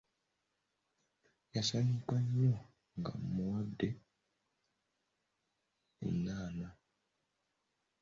Yasanyuka nnyo nga mmuwadde ennaana.